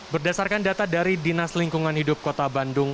berdasarkan data dari dinas lingkungan hidup kota bandung